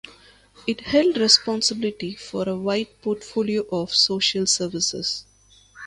It held responsibility for a wide portfolio of social services.